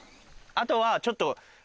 あとはちょっと。